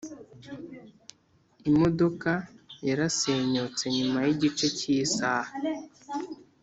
imodoka yarasenyutse nyuma yigice cyisaha.